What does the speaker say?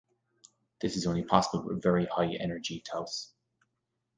This is only possible with very high energy taus.